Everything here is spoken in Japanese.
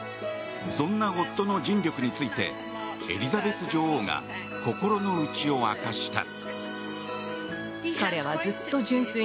そんな夫の尽力についてエリザベス女王が心の内を明かした。